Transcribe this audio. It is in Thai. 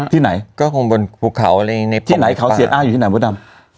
ที่ไหนที่ไหนเขาเศียร์อ้าอยู่ที่ไหนบ๊วยดำ